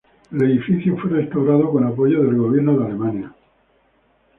El edificio fue restaurado con apoyo del gobierno de Alemania.